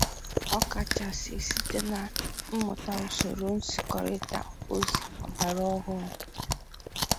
ọ kachasị site n'ịmụta usoro nzikọrịta ozi ọgbara ọhụụ.